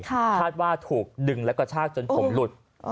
คาดว่าถูกดึงและกระชากจนผมหลุด